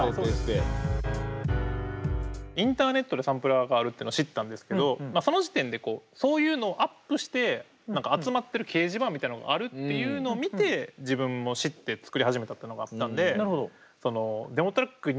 インターネットでサンプラーがあるっていうのを知ったんですけどその時点でそういうのをアップして何か集まってる掲示板みたいなのがあるっていうの見て自分も知って作り始めたっていうのがあったんでへえ。